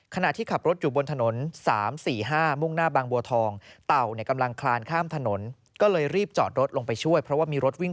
ขณะที่ขับรถอยู่บนถนน๓๔๕มุ่งหน้าบางบัวทองเต่าเนี่ยกำลังคลานข้ามถนนก็เลยรีบจอดรถลงไปช่วยเพราะว่ามีรถวิ่ง